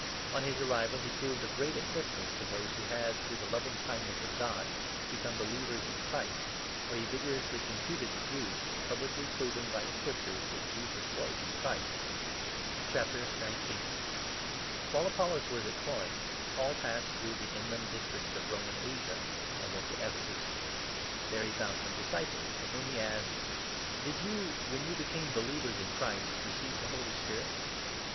On his arrival he proved of great assistance to those who had, through the loving kindness of God, become believers in Christ, for he 28 vigorously confuted the Jews, publicly proving by the Scriptures that Jesus was the Christ. p»ui While Apollos was at Corinth, Paul passed i •t Epheaus. through the inland districts of Roman Asia, and went to Ephesus. There he found some disciples, of whom he 2 asked :" Did you, when you became believers in Christ, receive the Holy Spirit?"